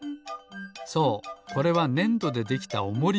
そうこれはねんどでできたおもりなんです。